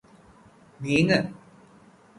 നീങ്ങ്